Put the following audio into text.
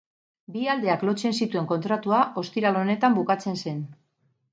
Bi aldeak lotzen zituen kontratua ostiral honetan bukatzen zen.